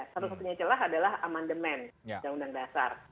satu satunya celah adalah amandemen undang undang dasar